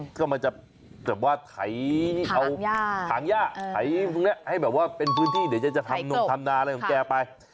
ก็มาจับแบบว่าไถ